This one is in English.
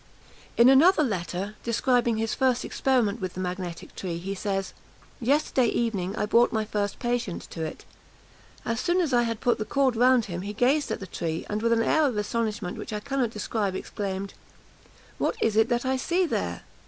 In another letter, describing his first experiment with the magnetic tree, he says, "Yesterday evening I brought my first patient to it. As soon as I had put the cord round him he gazed at the tree; and, with an air of astonishment which I cannot describe, exclaimed, 'What is it that I see there?'